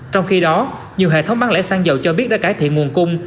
trong khi đó nhiều hệ thống bán lẻ xăng dầu cho biết đã cải thiện nguồn cung